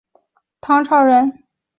许叔冀是唐朝人。